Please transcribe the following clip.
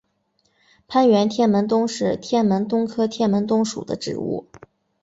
攀援天门冬是天门冬科天门冬属的植物。